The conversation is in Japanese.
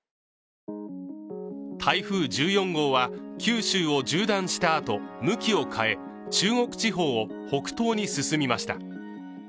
台風１４号は九州を縦断したあと向きを変え中国地方を北東に進みました。